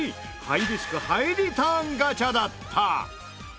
ハイリスクハイリターンガチャだった！